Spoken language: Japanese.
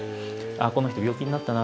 「この人病気になったな」